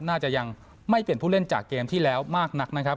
น่าจะยังไม่เป็นผู้เล่นจากเกมที่แล้วมากนักนะครับ